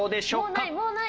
もうないもうない。